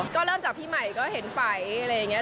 ก็เริ่มจากพี่หมายก็เห็นไฝอะไรเงี้ย